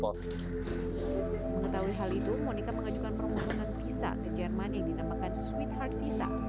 monica mengajukan perempuan visa ke jerman yang dinamakan sweetheart visa